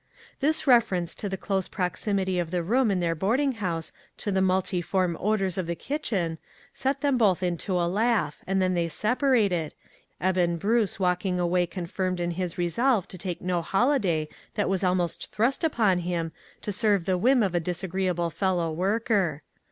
This reference to the close proximity of the room in their boarding house to the mul tiform odors of the kitchen, set them both into a laugh, and then they separated, Eben Bruce walking away confirmed in his resolve to take no holiday that was almost thrust upon him to serve the whim of a disagree able fellow worker.